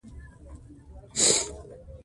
ښتې د افغانستان د اقتصادي منابعو ارزښت زیاتوي.